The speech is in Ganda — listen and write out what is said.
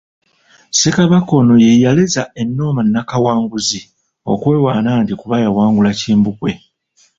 Ssekabaka ono ye yaleeza ennoma Nnakawanguzi, okwewaana nti kuba yawangula Kimbugwe.